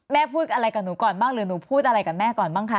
พูดอะไรกับหนูก่อนบ้างหรือหนูพูดอะไรกับแม่ก่อนบ้างคะ